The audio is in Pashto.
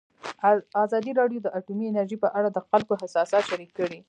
ازادي راډیو د اټومي انرژي په اړه د خلکو احساسات شریک کړي.